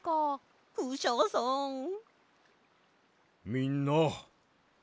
みんな。